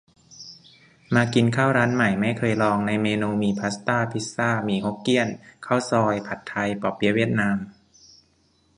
มากินข้าวร้านใหม่ ไม่เคยลอง ในเมนูมี พาสต้า พิซซ่า หมี่ฮกเกี้ยน ข้าวซอย ผัดไทย ปอเปี๊ยะเวียดนาม